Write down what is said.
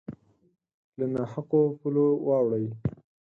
له نا حقو پولو واوړي